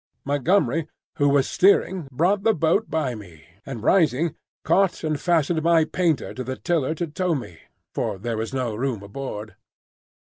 Montgomery, who was steering, brought the boat by me, and rising, caught and fastened my painter to the tiller to tow me, for there was no room aboard.